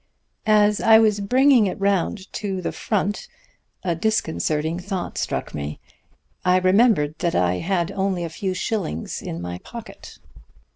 "As I was bringing it round to the front a disconcerting thought struck me. I remembered that I had only a few shillings in my pocket.